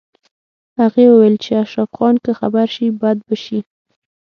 هغې وویل چې اشرف خان که خبر شي بد به شي